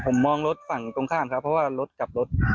ผมมองรถฝั่งตรงข้ามครับเพราะว่ารถกลับรถ